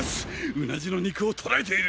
うなじの肉を捉えている！！